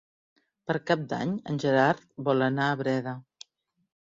Per Cap d'Any en Gerard vol anar a Breda.